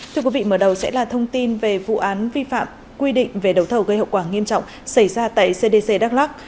thưa quý vị mở đầu sẽ là thông tin về vụ án vi phạm quy định về đấu thầu gây hậu quả nghiêm trọng xảy ra tại cdc đắk lắc